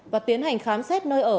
và tiến hành khám xét nơi ở